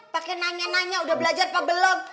pakai nanya nanya udah belajar apa belum